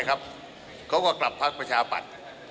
เขาก็กลับพักประชาปัตย์